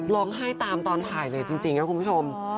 ร้องไห้ตามตอนถ่ายเลยจริงนะคุณผู้ชม